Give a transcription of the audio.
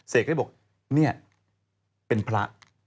เสร็จก็จะบอกเนี่ยเป็นพระ